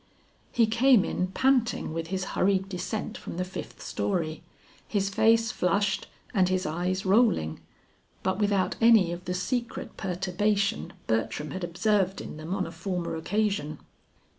He came in panting with his hurried descent from the fifth story, his face flushed and his eyes rolling, but without any of the secret perturbation Bertram had observed in them on a former occasion.